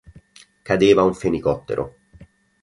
Cadeva un fenicottero.